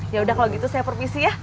yaudah kalau gitu saya provisi ya